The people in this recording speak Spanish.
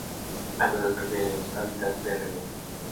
Algunas prefieren los hábitat de ribera.